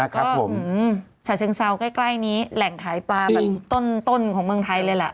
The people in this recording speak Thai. ก็ฉะเชิงเซาใกล้นี้แหล่งขายปลาแบบต้นของเมืองไทยเลยล่ะ